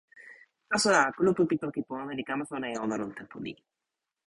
taso la, kulupu pi toki pona li kama sona e ona lon tenpo ni.